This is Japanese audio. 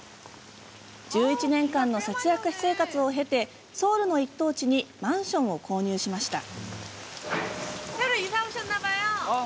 １１年間の節約生活を経てソウルの１等地にマンションを購入しました。